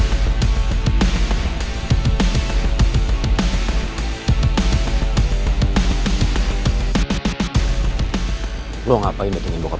loh berani nantang gotta